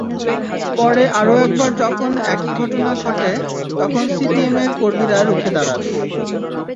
পরে আরও একবার যখন একই ঘটনা ঘটে, তখন সিপিএমের কর্মীরা রুখে দাঁড়ান।